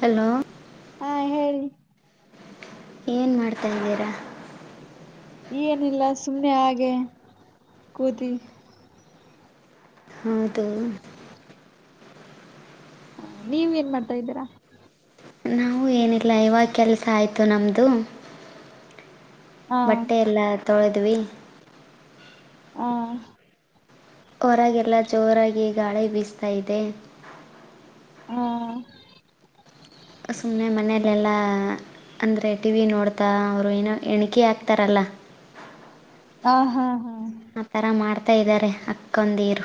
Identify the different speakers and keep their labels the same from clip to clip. Speaker 1: Hello
Speaker 2: ಆಹ ಹೇಳ
Speaker 1: ಏನ್ ಮಾಡ್ತಾದ್ದೀರಾ
Speaker 2: ಏನಿಲ್ಲ ಸುಮ್ಮ್ನೆ ಹಾಗೆ ಕೂತಿ
Speaker 1: ಹೌದು
Speaker 2: ಹ ನೀವ ಏನ್ ಮಾಡ್ತಾ ಇದ್ದೀರಾ
Speaker 1: ನಾವು ಏನಿಲ್ಲ ಇವಾಗ ಕೆಲಸ ಆಯಿತು ನಮ್ಮದು
Speaker 2: ಹಾ
Speaker 1: ಬಟ್ಟೆ ಎಲ್ಲಾ ತೊಳೆದ್ವಿ
Speaker 2: ಹ
Speaker 1: ಹೊರಗೆಲ್ಲ ಜೋರಾಗಿ ಗಾಳಿ ಬೀಸ್ತಾ ಇದೆ
Speaker 2: ಹ್ಮ
Speaker 1: ಸುಮನೆ ಮನ್ನಲ್ಲಾ ಅಂದ್ರೆ ಟಿವ ವಿ ನೋಡ್ತಾ ಅವರು ಏನೋ ಎಣಿಕೆ ಆಕ್ತಾರಲ್ಲ
Speaker 2: ಹಾ ಹಾ ಹಾ
Speaker 1: ಆತರ ಮಾಡ್ತಾ ಇದ್ದಾರೆ ಅಕ್ಕಂದೀರು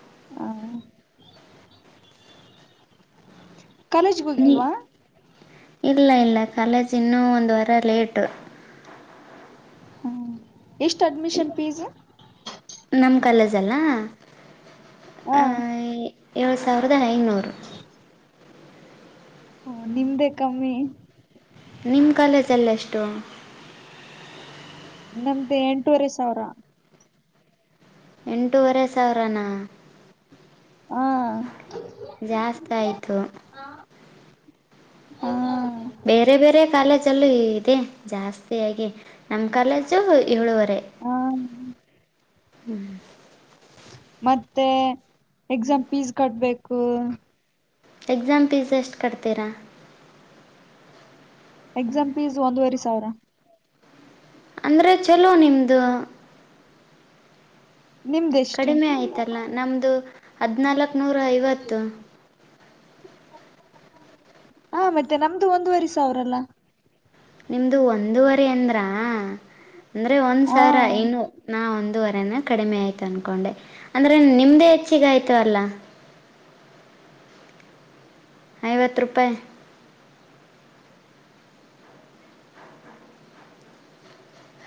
Speaker 2: ಹ ಕಾಲೇಜ್ಗ
Speaker 1: ನೀ
Speaker 2: ಹೋಗಿಲ್ವಾ
Speaker 1: ಇಲ್ಲ ಇಲ್ಲ ಕಾಲೇಜ ಇನ್ನೂ ಒಂದು ವಾರ ಲೇಟು
Speaker 2: ಹ್ಮ ಎಷ್ಟು ಅಡ್ಮಿಷನ್ ಫೀಸ್
Speaker 1: ಗಲಜಲ್ಲ.
Speaker 2: ಹಾ.
Speaker 1: ಏಳು ಸಾವಿರದ ಐನೂರು..
Speaker 2: ಹ ನಿಮ್ದೆ ಕಮ್ಮಿ..
Speaker 1: ನಿಮ್ಮ ಕಾಲೇಜಲ್ಲ ಎಷ್ಟು
Speaker 2: ನಮ್ದು ಎಂಟೂವರೆ ಸಾವಿರ
Speaker 1: ಎಂಟೂವರೆ ಸಾವಿರಾನ
Speaker 2: ಹ್ಮ
Speaker 1: ಜಾಸ್ತ ಆಯ್ತು
Speaker 2: ಹಾ
Speaker 1: ಬೇರೆ ಬೇರೆ ಕಾಲೇಜಲ್ಲೂ ಇದೆ ಜಾಸ್ತಿಯಾಗಿ ನಮ ಕಾಲೇಜ್ ಅ ಏಳುವರೆ
Speaker 2: ಹ
Speaker 1: ಹ್ಮ್
Speaker 2: ಮತ್ತೆ ಎಕ್ಸಾಮ್ ಫೀಸ್ ಕಟ್ಬೇಕು
Speaker 1: ಎಕ್ಸಾಮ್ ಫೀಸ್ ಎಷ್ಟು ಕಟ್ತೀರಾ..
Speaker 2: ಎಕ್ಸಾಮ್ ಫೀಸ್ ಒಂದೂವರೆ ಸಾವಿರ..
Speaker 1: ಅಂದ್ರೆ ಚಲೋ ನಿಮ್ದು..
Speaker 2: ನಿಮ್ದೆಷ್ಟು
Speaker 1: ಕಡಿಮೆ ಆಯತಲ್ಲ ನಮ್ಮದು ಹದಿನಾಲ್ಕು ನೂರ ಐವತ್ತು.
Speaker 2: ಹ ಮತ್ತೆ ನಮ್ದು ಒಂದುವರಿ ಸಾವಿರಲ್ಲ..
Speaker 1: ನಿಮ್ದು ಒಂದೂವರೆ ಅಂದ್ರಾ.. ಅಂದರೆ ಒಂದ್
Speaker 2: ಹ
Speaker 1: ಸರ ಇನ್ನು ನಾ ಒಂದೂವರೆನ ಕಡಿಮೆ ಆಯ್ತು ಅನ್ಕೊಂಡೆ.. ಅಂದ್ರೆ ನಿಮ್ದೇ ಹೆಚ್ಚಗ ಆಯ್ತವಲ್ಲ. ಐವತ್ತು ರೂಪಾಯಿ..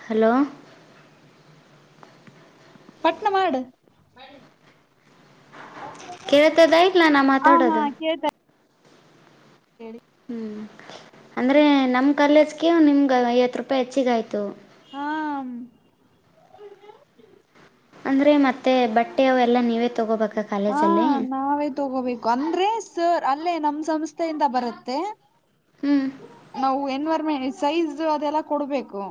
Speaker 1: ಹಲೋ..
Speaker 2: ಪಟ್ನ ಮಾಡಡು.
Speaker 1: ಕೇಳ್ತದ ಇಲ್ಲ ನಾ
Speaker 2: ಹಾ ಹಾ
Speaker 1: ಮಾತಾಡೋದು
Speaker 2: ಕೇಳ್ತ..
Speaker 1: ಹ್ಮ್ ಅಂದ್ರೆ ನಮ್ ಕಾಲೇಜ್ಗೆ ನಿಮ್ಗ ಐವತ್ತು ರೂಪಾಯಿ ಹೆಚ್ಚಿಗ ಆಯ್ತು..
Speaker 2: ಹಾ
Speaker 1: ಅಂದ್ರೆ ಮತ್ತೆ ಬಟ್ಟೆ ಎಲ್ಲಾ ನೀವೇ ತಗೋಬೇಕ
Speaker 2: ಹಾ ನಾವೇ ತಗೋಬೇಕು ಅಂದ್ರೆ ಸ ಅಲ್ಲೇ ನಮ್ಮ್ ಸಂಸ್ಥೆಯಿಂದ ಬರುತ್ತೆ
Speaker 1: ಹ್ಞೂ
Speaker 2: ನಾವು ಎನ್.. ಸೈಜ್ ಅದೆಲ್ಲ ಕೊಡ್ಬೇಕು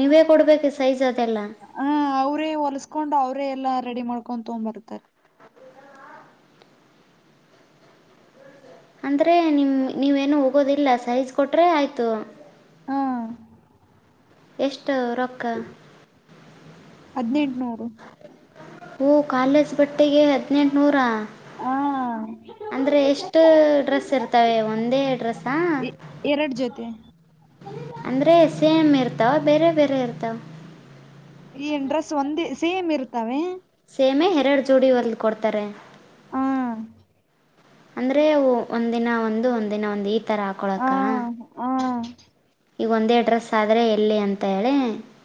Speaker 1: ನೀವೇ ಕೊಡ್ಬೇಕ ಸೈಜ್ ಅ..
Speaker 2: ಹ ಅವ್ರೇ ಹೊಲಸ್ಕೊಂಡು ಅವ್ರೇ ಎಲ್ಲಾ ರೆಡಿ ಮಾಡ್ಕೊಂಡ್ ತಗ್ಂಬರ್ತಾರ..
Speaker 1: ಅಂದ್ರೆ ನಿಮ ನೀವೇನುೂ ಹೋಗೋದಿಲ್ಲ ಸೈಜ್ ಕೊಟರೆ ಆಯ್ತು..
Speaker 2: ಹಾ
Speaker 1: ಎಷ್ಟ ರೊಕ್ಕ..
Speaker 2: ಹದಿನೆಂಟುನೂರು..
Speaker 1: ಓ ಕಾಲೇಜ್ ಬಟ್ಟೆಗೆ ಹದಿನೆಂಟುನೂರಾ..
Speaker 2: ಹಾ
Speaker 1: ಅಂದ್ರೆ ಎಷ್ಟು ಡ್ರೆಸ್ ಇರ್ತವೆ ಒಂದೇ ಡ್ರೆಸ್ಸಾ..
Speaker 2: ಎರಡ್ ಜೊತೆ
Speaker 1: ಅಂದ್ರೆ ಎಸ್ ಎ ಎಂ ಇರ್ತಾವ ಬೇರೆ ಬೇರೆ ಇರ್ತಾವ.
Speaker 2: ಈ ಡ್ರೆಸ್ ಒಂದೇ ಸೇಮ್ ಇರ್ತವೆ.
Speaker 1: ಸೇಮೆ ಎರಡು ಜೋಡಿವರ್ಲ್ ಕೊಡ್ತಾರೆ..
Speaker 2: ಹ್ಮ್
Speaker 1: ಅಂದ್ರೆ ಒಂದಿನ ಒಂದು ಒಂದಿನ ಒಂದ್ ಈ ತರ
Speaker 2: ಹಾ
Speaker 1: ಹಾಕೊಳಕ್ಕ.
Speaker 2: ಹಾ
Speaker 1: ಈಗ ಒಂದೇ ಡ್ರೆಸ್ ಆದರೆ ಎಲ್ಲಿ ಅಂತ ಹೇಳಿ..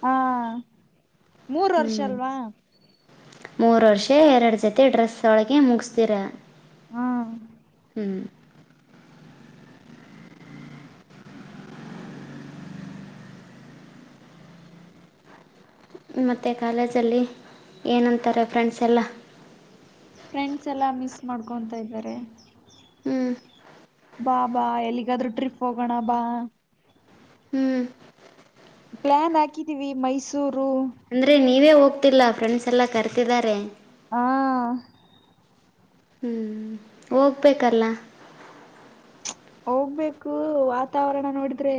Speaker 2: ಹಾ ಮೂರು
Speaker 1: ಹ್ಞೂ
Speaker 2: ವರ್ಷ ಅಲ್ವಾಮತ್ತೆ?
Speaker 1: ಮೂರು ವರ್ಷ ಎರಡು ಜತೆ ಡ್ರೆಸ್ಳಗೆ ಮುಗಿಸ್ತಿರ.
Speaker 2: ಹಾ
Speaker 1: ಹ್ಮ್ ಮ ಕಾಲೇಜಲ್ಲಿ ಅಂತಾರೆ ಫ್ರೆಂಡ್ಸ್ ಎಲ್ಲ..
Speaker 2: ಫ್ರೆಂಡ್ಸ್ ಎಲ್ಲ ಮಿಸ್ ಮಾಡ್ಕೊತಾ ಇದ್ದಾರೆ..
Speaker 1: ಹ್ಮ್..
Speaker 2: ಬಾ ಬಾ ಎಲ್ಲಿಗಾದ್ರೂ ಟ್ರಿಪ್ ಹೋಗೋಣ ಬಾ..
Speaker 1: ಹ್ಮ್
Speaker 2: ಪ್ಲಾನ್ ಹಾಕಿದೀವಿ ಮೈಸೂರು
Speaker 1: ಅಂದ್ರೆ ನೀವೇ ಹೋಗ್ತಿಲ್ಲ ಫ್ರೆಂಡ್ಸ್ ಎಲ್ಲಾ ಕರ್ತಿದಿದ್ದಾರೆ..
Speaker 2: ಹಾ.
Speaker 1: ಹ್ಮ್ ಹೋಗ್ಬೇಕಲ್ಲ.
Speaker 2: ಹೋಗ್ಬೇಕು ವಾತಾವರಣ ನೋಡಿದ್ರೆ.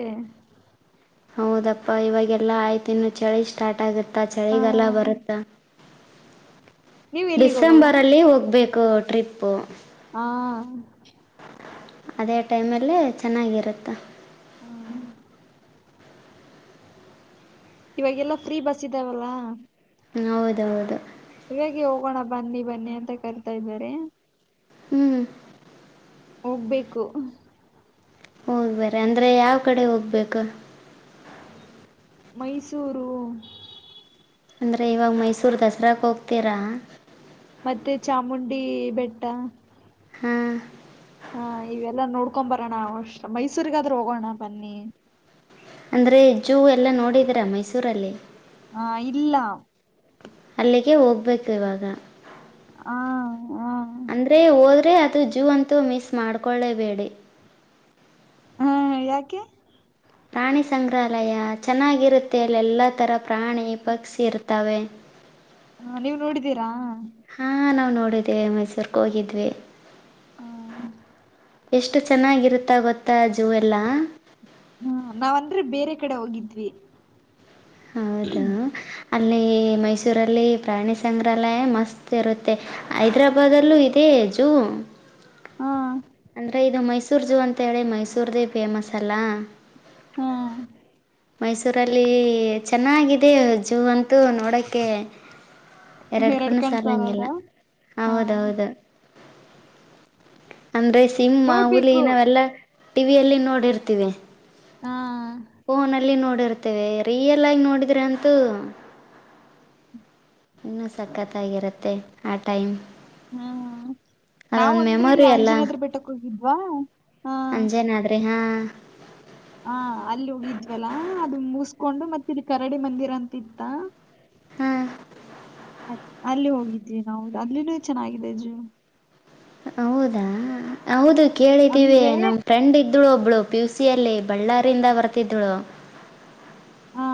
Speaker 1: ಹೌದಪ್ಪಾ ಇವಾಗೆಲ್ಲಾ ಆಯ್ತು ಇನ್ನು ಚಳಿ ಸ್ಟಾರ್ಟ್ ಆಗತ್ತಾ
Speaker 2: ಹಾ
Speaker 1: ಚಳಿಗಲ್ಲ ಬರುತ್ತಾ
Speaker 2: ನೀವ್ ಎಲ್ಲಿಗ್ ಹೋಗಲ್ವಾ
Speaker 1: ಡಿಸೆಂಬರ್ ಅಲ್ಲಿ ಹೋಗ್ಬೇಕು ಟ್ರಿಪ್ಪು..
Speaker 2: ಹಾ..
Speaker 1: ಅದೇ ಟೈಮಲ್ಲೇ ಚೆನ್ನಾಗಿರುತ್ತೆ..
Speaker 2: ಹ್ಮ್ ಇವಾಗೆಲ್ಲ ಫ್ರೀ ಬಸ್ ಇದ್ದಾವಲ್ಲ
Speaker 1: ಹೌದೌದು
Speaker 2: ಹ ಹೇಗೆ ಹೋಗೋಣ ಬನ್ನಿ ಬನ್ನಿ ಅಂತ ಕರಿತಾ ಇದ್ದಾರೆ
Speaker 1: ಹ್ಮ್
Speaker 2: ಹೋಗ್ಬೇಕು
Speaker 1: ಹೋಗ್ಬೇರ ಅಂದ್ರೆ ಯಾವ ಕಡೆ ಹೋಗ್ಬೇಕು
Speaker 2: ಮೈಸೂರು
Speaker 1: ಅಂದ್ರೆ ಇವಾಗ ಮೈಸೂರು ದಸರಾಕ್ಕೆ ಹೋಗ್ತೀರಾ
Speaker 2: ಮತ್ತೆ ಚಾಮುಂಡಿ ಬೆಟ್ಟ
Speaker 1: ಹಾ
Speaker 2: ಹಾ ಇವೆಲ್ಲಾ ನೋಡ್ಕೊ್ ಬರೋಣ ಅಷ್ಟ ಮೈಸೂರಿಗಾದ್ರೂ ಹೋಗೋಣ ಬನ್ನಿ
Speaker 1: ಅಂದ್ರೆ ಜೂ ಎಲ್ಲ ನೋಡಿದೀರಾ ಮೈಸೂರಲ್ಲಿ
Speaker 2: ಹಾ ಇಲ್ಲ
Speaker 1: ಅಲ್ಲಿಗೆ ಹೋಗ್ಬೇಕು ಇವಾಗ
Speaker 2: ಹ ಹ
Speaker 1: ಅಂದ್ರೆ ಹೋದ್ರೆ ಅದು ಜೂ ಅಂತೂ ಮಿಸ್ ಮಾಡ್ಕೊೊಳ್ಳೇಬೇಡಿ
Speaker 2: ಹ್ಮ್ ಯಾಕೆ
Speaker 1: ಪ್ರಾಣಿ ಸಂಗ್ರಹಾಲಯ ಚೆನ್ನಾಗಿರುತ್ತೆ ಅಲ್ಲಿ ಎಲ್ಲ ತಥರ ಪ್ರಾಣಿ ಪಕ್ಷಿ ಇರ್ತವೆ
Speaker 2: ಹ ನೀವು ನೋಡಿದ್ದೀರಾ
Speaker 1: ನೋಡಿದೆೇವೆ ಮೈಸೂರ್ಗೆ ಹೋಗಿದ್ವಿ
Speaker 2: ಹ
Speaker 1: ಎಷ್ಟು ಚೆನ್ನಾಗಿರುತ್ತಾ ಗೊತ್ತಾ ಜೂ ಎಲ್ಲ
Speaker 2: ಹ್ಮ ನಾವಂದ್ರೆ ಬೇರೆ ಕಡೆ ಹೋಗಿದ್ವಿ
Speaker 1: ಹೌದು ಅಲ್ಲಿ ಮೈಸೂರಲ್ಲಿ ಪ್ರಾಣಿ ಸಂಗ್ರಹಾಲಯ ಮಸ್ತ್ ಇರುತ್ತೆ ಹೈದ್ರಾಬಾದಲ್ಲೂ ಇದೆಜು
Speaker 2: ಹಾ
Speaker 1: ಅಂದ್ರೆ ಇದು ಮೈಸೂರ್ ಜಝು ಅಂತ ಹೇಳಿ ಮೈಸೂರ್ದೇ ಫೇಮಸ್ ಅಲ್ಲ
Speaker 2: ಹ್ಮ್
Speaker 1: ಮೈಸೂರಲ್ಲಿ ಚೆನ್ನಾಗಿದೆ ಜೂ ಅಂತೂ ನೋಡೋಕ್ಕೆ ಎರಡ್ ಕಡನ
Speaker 2: ಕಣ್ ಸಾರದ
Speaker 1: ಸಾಲಂಗಗೆಿಲ್ಲ
Speaker 2: ಹಾ
Speaker 1: ಹೌದೌದು ಅಂದ್ರೆ ಸಿಮ ಹುಲಿ
Speaker 2: ನೋಡ್ಬೇಕು
Speaker 1: ನಾವೆಲ್ಲಾ ಟಿವಿಯಲ್ಲಿ ನೋಡಿರ್ತಿೀವಿ
Speaker 2: ಹಾ
Speaker 1: ಫೋನಲ್ಲಿ ನೋಡಿರ್ತೇವೆ ರಿಯಲ್ ಆಗಿ ನೋಡಿದ್ರೆ ಅಂತೂ ಇನ್ನುೂ ಸಖತ್ತಾಗಿರುತ್ತೆ ಆ ಟೈಮ್
Speaker 2: ಹ್ಮ್ ನಾವ
Speaker 1: ಅದೊಂದು
Speaker 2: ಒಂದ್ರಿ ಇಲ್ಲಿ
Speaker 1: ಮೆಮೊರಿ
Speaker 2: ಆಂಜನಾದ್ರ ಬೆಟಕ್ ಹೋಗಿದ್ವಾ ಹಾ
Speaker 1: ಅಂಜೇನಾದ್ರಿ ಹಾ
Speaker 2: ಹಾ ಅಲ್ಲಿ ಹೋಗಿದ್ವಲ್ಲಾ ಅದು ಮುಸ್ಕೊಂಡು ಮತ್ತ ಇಲ್ಲಿ ಕರಡಿ ಮಂದಿರ ಅಂತ ಇತ್ತ
Speaker 1: ಹಾಂ
Speaker 2: ಅಲ್ಲಿ ಹೋಗಿದ್ವಿ ನಾವು ಅಲ ಚೆನ್ನಾಗಿದೆ ಅಜು
Speaker 1: ಹೌದಾ ಹೌದು ಕೇಳಿದ್ದೀವಿ
Speaker 2: ಅಂದ್ರೆ
Speaker 1: ನಮ್ ಫ್ರೆಂಡ ಇದಳು ಒಬ್ಳು ಪಿುಸಿಯಲ್ಲಿ ಬಳ್ಳಾರಿಂದ ಬರ್ತಿದಳು
Speaker 2: ಹಾ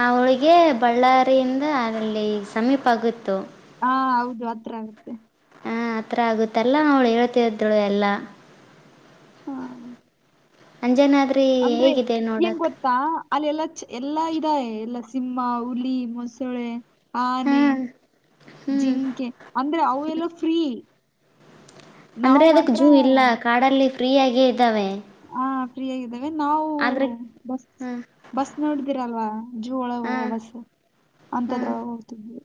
Speaker 1: ಆ ಹಳಿಗೆ ಬಳ್ಳಾರಿಯಿಂದ ಅಲ್ಲಿ ಸಮೀಪ ಆಗತ್ತು
Speaker 2: ಹಾ ಹೌದು ಆತ್ರ ಆಗತ್ತೆ
Speaker 1: ಹ ಆತ್ರ ಆಗುತ್ತಲ್ಲ ಅವಳು ಹೇಳ್ತಿದ್ಳು ಎಲ್ಲಾ
Speaker 2: ಹಾ
Speaker 1: ಅಂಜಾನ
Speaker 2: ಅಂದ್ರೆ ಏನ್ ಗೊತ್ತಾ ಅಲ್ಲ ಎಲ್ಲ ಎಲ್ಲಾ ಇದಾರೆ ಎಲ್ಲ ಸಿಂಹ ಹುಲಿ ಮೊಸಳೆ ಆನೆ
Speaker 1: ಹಾಂ ಹ್ಞೂ
Speaker 2: ಜಿಂಕೆ ಅಂದ್ರೆ ಅವ ಎಲ್ಲ ಫ್ರೀ
Speaker 1: ಅಂದ್ರೆ
Speaker 2: ನಾವ್
Speaker 1: ಅದಕ್
Speaker 2: ಮಾತ್ರ
Speaker 1: ಜೂ ಇಲ್ಲ ಕಾಡಲ್ಲಿ ಫ್ರೀ ಆಗೇ ಇದ್ದಾವೆ
Speaker 2: ಆ ಫ್ರೀ ಆಗಿದ್ದಾವೆ ನಾವು
Speaker 1: ಆದರೆ
Speaker 2: ಬಸ್
Speaker 1: ಹಾಂ
Speaker 2: ಬಸ್ ನೋಡಿದೀರ ಅಲ್ವಾ ಜೂ ಒಳಗ ಹೋಗ
Speaker 1: ಹಾಂ
Speaker 2: ಬಸ್
Speaker 1: ಹಾಂ
Speaker 2: ಅಂತದ್ರೊಳಗೆ ಹೋಗ್ತ್ವಿ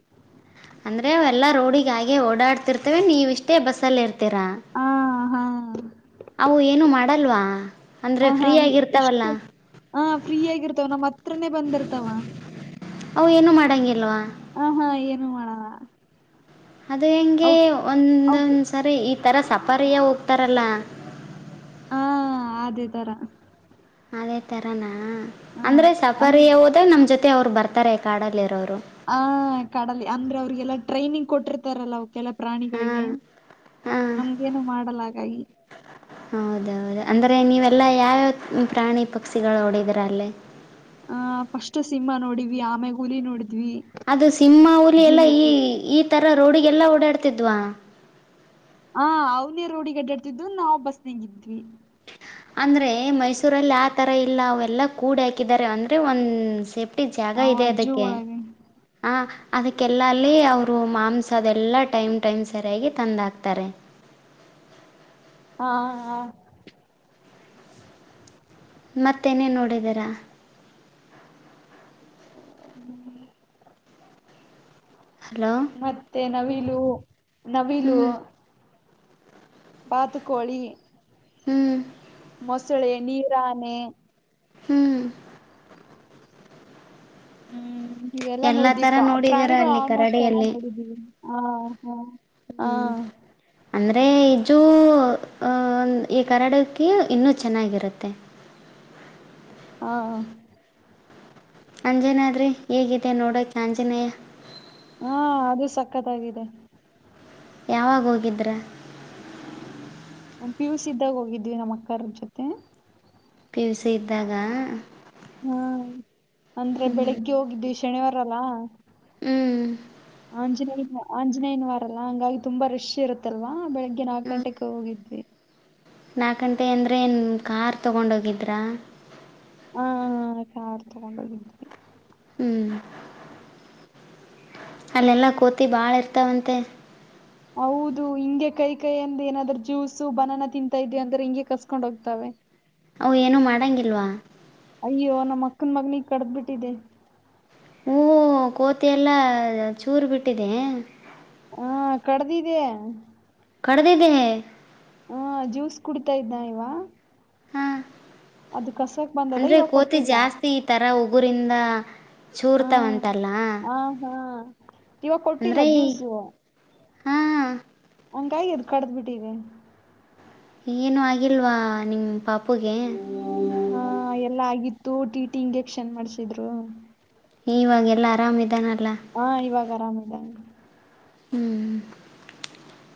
Speaker 1: ಎಲ್ಲ ರೋಡಿಗ ಆಗೆ ಓಡಾಡ್ತಿರ್ತೇವೆ ನೀವು ಇಷ್ಟೇ ಬಸ್ಸಲ್ಲಿ ಇರ್ತೀರಾ
Speaker 2: ಹ್ಮ
Speaker 1: ಅವು ಏನು ಮಾಡಲ್ವಾ ಅಂದ್ರೆ
Speaker 2: ಹ ಹಾ
Speaker 1: ಫ್ರೀ
Speaker 2: ಇ-
Speaker 1: ಆಗಿರ್ತಾವಲ್ಲ
Speaker 2: ಇಷ್ಟು ಹ ಫ್ರೀ ಆಗಿರ್ತವ ನಮ್ಮ ಹತ್ರನೆೇ ಬಂದಿರ್ತಾವ
Speaker 1: ಅವು ಏನು ಮಾಡಂಗಲ್ವಾ
Speaker 2: ಹ ಹಾ ಏನು ಮಾಡಲ್ಲ
Speaker 1: ಅದು ಹೆಂಗೆ
Speaker 2: ಅವಕ್ ಅವಕ್
Speaker 1: ಒಂದೊಂದ್ಸರಿ ಈ ತರ ಸಪಾರಿಯ ಹೋಗ್ತಾರಲ್ಲ
Speaker 2: ಹಾ ಅದೇತರ
Speaker 1: ಅದೇ ತರಾನ ಅಂದ್ರೆ ಸಫಾರಿ
Speaker 2: ಅಂದ
Speaker 1: ಹೋದ ನಮ್ ಜೊತೆ ಅವ್ರು ಬರ್ತಾರೆ ಕಾಡಲ್ಲಿ ಇರೋರು
Speaker 2: ಹ ಕಡಲಿ ಅಂದ್ರೆ ಅವ್ರಿಗೆಲ್ಲ ಟ್ರೈನಿಂಗ್ ಕೊಟ್ಟಿರ್ತಾರಲ್ಲ ಅವ ಕೆಲ ಪ್ರಾಣಿಗಳಿಗೆ
Speaker 1: ಹಾ
Speaker 2: ನಮ್ಗೇನು ಮಾಡಲ್ಲ ಹಾಗಾಗಿ
Speaker 1: ಹೌದೌದು ಅಂದ್ರೆ ನೀವೆ ಅಲ್ಲ ಯಾವ್ಯಾವ ಪ್ರಾಣಿ ಪಕ್ಷಿಗಳು ಹೊಡಿದ್ರ ಅಲ್ಲೇ
Speaker 2: ಆ ಫಸ್ಟ್ ಸಿಂಹಾ ನೋಡವಿ ಆಮೇ ಹುಲಿ ನೋಡಿದವಿ
Speaker 1: ಅದು ಸಿಂಹ ಹುಲಿ ಎಲ್ಲಾ ಈ ಈ ತರ ರೋಡಿಗೆಲ್ಲಾ ಓಡಾಡ್ತಿದ್ವಾ
Speaker 2: ಹ ಅವ್ನೇ ರೋಡಿ ಗಡ್ಡಾಡ್ತಿದ್ದು ನಾವು ಬಸ್ನಗಿದ್ವಿ
Speaker 1: ಚಿ ಚಾ [unintelligible] ಅಂದ್ರೆ ಮೈಸೂರಲ್ಲಿ ಆ ತರ ಇಲ್ಲ ಅವೆಲ್ಲ ಕೂಡಿ ಹಾಕಿದಿದ್ದಾರೆ ಅಂದ್ರೆ ಒಂದ್ ಸೇಪ್ ಒಟ್ಟಿ ಜಾಗ
Speaker 2: ಆ
Speaker 1: ಇದೆ
Speaker 2: ಜೂ
Speaker 1: ಅದಕ್ಕೆ
Speaker 2: ಒಳಗೆ
Speaker 1: ಹ ಅದಕ್ಕೆಲ್ಲಲ್ಲಿ ಅವರು ಮಾಂಸ ಅದೆಲ್ಲ ಟೈಮ್ ಟೈಮ್ ಸರಿಯಾಗಿ ತಂದು ಹಾಕ್ತಾರೆ ಹಮ್ [inaudible]
Speaker 2: ಹಾ ಹಾ
Speaker 1: ಮತ್ತೇನೇ ನೋಡಿದರಾ ಹಲೋ
Speaker 2: ಮತ್ತೆ ನವಿಲು ನವಿಲು
Speaker 1: ಹ್ಮ್
Speaker 2: ಬಾತುಕೋಳಿ
Speaker 1: ಹ್ಮ್
Speaker 2: ಮೊಸಳೆ ನೀರಾನೆೆ
Speaker 1: ಹ್ಮ್
Speaker 2: ಹ್ಮ್ ನೀವೆಲ್ಲಾ
Speaker 1: ಎಲ್ಲಾ
Speaker 2: ನೋಡಿದೀವಿ
Speaker 1: ತರ
Speaker 2: ಪ್ರ
Speaker 1: ನೋಡಿದೀರ
Speaker 2: ಪ್ರಾಣಿಗಳು
Speaker 1: ಅಲ್ಲಿ
Speaker 2: ಆಲ್ಮೋಸ್ಟ್ ಎಲ್ಲಾ
Speaker 1: ಕರಡಿಯಲ್ಲಿ
Speaker 2: ನೋಡಿದಿವವಿ ಹ್ಮ ಹಾ
Speaker 1: ಅಂದ್ರೆ ಈಜು ಈ ಕರಡಕ್ಕೆ ಇನ್ನೂ ಚೆನ್ನಾಗಿರುತ್ತೆ. ಹಮ್ [inaudible]
Speaker 2: ಹಾ
Speaker 1: ಆಂಜನಯ ಆದ್ರಿ ಹೇಗಿದೆ ನೋಡೋಕ ಆಂಜನೇಯ
Speaker 2: ಹಾ ಅದು ಸಕ್ಕತ್ತಾಗಿದೆ.
Speaker 1: ಯಾವಾಗ ಹೋಗಿದ್ರೆ
Speaker 2: ಪಿ ಯು ಸಿ ಇದ್ದಾಗ ಹೋಗಿದ್ವಿ ನಮ್ಮ ಅಕ್ಕ ಜೊತೆ
Speaker 1: ಪಿವಿಸಿ ಇದ್ದಾಗ
Speaker 2: ಹ್ಮ್ ಅಂದ್ರೆ ಬೆಳಿಗ್ಗೆ ಹೋಗಿದ್ದ್ವಿ ಶನಿವಾರಲ್ಲ
Speaker 1: ಹ್ಮ್
Speaker 2: ಆಂಜನೇಯ ಆಂಜನೇಯನ ವಾರಲ್ಲಾ ಹಂಗಾಗಿ ತುಂಬಾ ರಶ್ ಇರುತ್ತಲ್ ಬೆಳಿಗ್ಗೆ ನಾಲ್ಕು
Speaker 1: ಹ್ಞೂ
Speaker 2: ಗಂಟೆ ಹೋಗಿದ್ವಿ.
Speaker 1: ನಾಲ್ಕು ಗಂಟೆ ಅಂದ್ರೆ ಏನು ಕಾರ್ ತಗೊಂಡೋಗಿದ್ರಾ?
Speaker 2: ಹ ಹ ಕಾರ್ ತಗೊಂಡ ಹೋಗಿದ್ವಿ.
Speaker 1: ಹ್ಮ್ ಅಲ್ಲೆಲ್ಲಾ ಕೋತಿ ಬಾಳ ಇರ್ತಾವಂತೆ
Speaker 2: ಹೌದು ಹಿಂಗೆ ಕೈ ಕೈಯಂದ ಏನಾದ್ರೂ ಜ್ಯೂಸ್ ಬನನ ತಿಂತಾ ಇದದೆ ಅಂದ್ರೆ ಹಿಂಗೆ ಕಸ್ಕೊಂಡ್ ಹೋಗ್ತಾವ
Speaker 1: ಅ ಏನು ಮಾಡಂಗಿಲ್ವಾ?
Speaker 2: ಅಯ್ಯೋ ನಮ್ಮ ಮಕ್ಕನ್ ಮಗನಗ ಕಡದ್ ಬಿಟ್ಟಿದೆೆ
Speaker 1: ಹೂವು ಕೋತಿೆಲ್ಲ ಚೂರು ಬಿಟ್ಟಿದೆ
Speaker 2: ಹಾ ಕಡ್ದಿದೆೆ
Speaker 1: ಕದಿದೆ
Speaker 2: ಹಾ ಜ್ಯೂಸ್ ಕುಡ್ತಾ ಇದ ಇವ
Speaker 1: ಹಾ
Speaker 2: ಅದು ಕಸಕ್ ಬಂದದ
Speaker 1: ಅಂದ್ರೆ
Speaker 2: ಇವಾಗ
Speaker 1: ಕೋತಿ
Speaker 2: ಕೊಟ್ಟಿಲ್ಲ
Speaker 1: ಜಾಸ್ತಿ ಈ ತರ ಉಗುರಿಂದ
Speaker 2: ಹ್ಮ್
Speaker 1: ಚೂರ್ತಾವಂತಲ್ಲ
Speaker 2: ಹ ಹಾ ಇವಾಗ ಕೊಟ್ಟಿಲ್ಲ
Speaker 1: ಅಂದ್ರೆ
Speaker 2: ಜ್ಯೂಸು
Speaker 1: ಹಾ
Speaker 2: ಹಂಗಾಗಿ ಎದ್ ಕಡ್ದ್ ಬಿಟ್ಟೀವಿ
Speaker 1: ಏನು ಆಗಿಲ್ವಾ ನಿಮ ಪಾಪುಗೆ
Speaker 2: ಹಾ ಎಲ್ಲಾ ಆಗಿತ್ತು ಟಿ ಟಿ ಇಂಜೆಕ್ಷನ್ ಮಾಡ್ಸಿದ್ರು
Speaker 1: ಇವಾಗೆಲ್ಲಾ ಆರಾಮ್ ಇದ
Speaker 2: ಹಾ ಇವಾಗ ಆರಾಮ್ದಾನೆ
Speaker 1: ಹ್ಮ್